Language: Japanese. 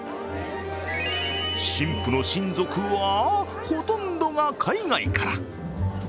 新婦の親族はほとんどが海外から。